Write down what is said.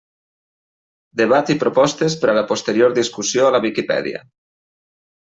Debat i propostes per a la posterior discussió a la Viquipèdia.